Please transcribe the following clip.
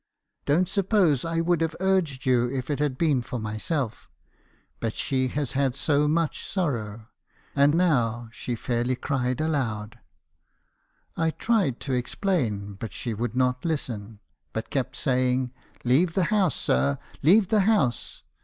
Don't suppose I would have urged you if it had been for myself; but she has had so much sorrow.' And now she fairly cried aloud. I tried to explain; but she would not listen, but kept saying, 'Leave the house, sir; leave the house